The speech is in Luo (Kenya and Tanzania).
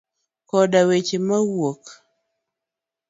Koda weche mawuok.